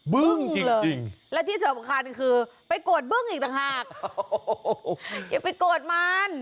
เบิ้งจริงและที่สำคัญคือไปโกรธเบิ้งอีกหรอกอย่าไปโกรธมัน